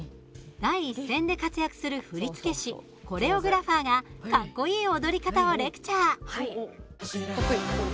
第一線で活躍する振り付け師コレオグラファーがかっこいい踊り方をレクチャー。